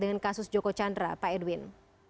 dengan kasus joko chandra pak edwin